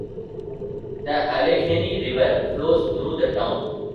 The Allegheny River flows through the town.